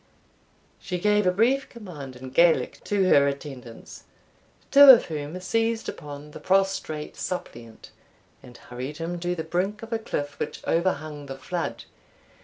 She gave a brief command in Gaelic to her attendants, two of whom seized upon the prostrate suppliant, and hurried him to the brink of a cliff which overhung the flood.